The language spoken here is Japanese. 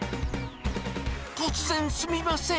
突然すみません。